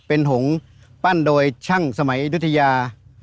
เป็นหงษ์ปั้นโดยช่างสมัยอายุทยา